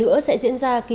phao thi là thi tốt nghiệp